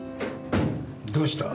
どうした？